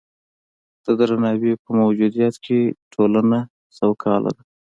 د درناوي په موجودیت کې ټولنه سوکاله ده.